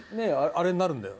あれになるんだよ。